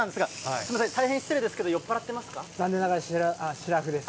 すみません、大変失礼ですけれど残念ながらしらふです。